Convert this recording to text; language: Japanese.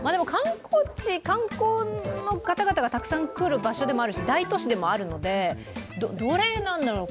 観光の方々がたくさん来る場所でもあるし、大都市でもあるので、どれなんだろう？